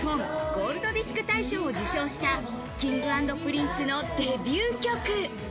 ゴールドディスク賞を受賞したＫｉｎｇ＆Ｐｒｉｎｃｅのデビュー曲。